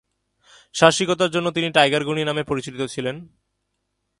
সাহসিকতার জন্য তিনি "টাইগার গণি" নামে পরিচিত ছিলেন।